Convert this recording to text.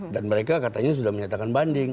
dan mereka katanya sudah menyatakan banding